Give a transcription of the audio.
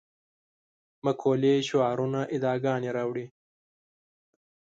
مقولې شعارونه ادعاګانې راوړې.